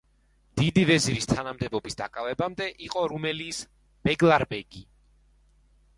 დიდი ვეზირის თანამდებობის დაკავებამდე იყო რუმელიის ბეგლარბეგი.